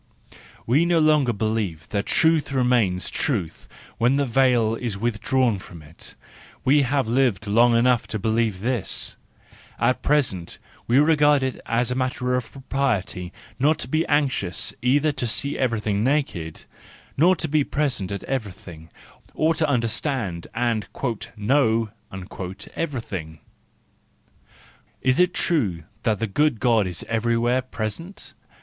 ... We no longer believe that truth remains truth when the veil is withdrawn from it; we have lived long enough to believe this. At present we regard it as a matter of propriety not to be anxious either to see everything naked, or to be present at everything, or to understand and "know" everything. " Is it true that the good God is everywhere present